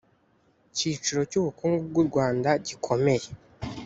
kiciro cy ubukungu bw u rwanda gikomeye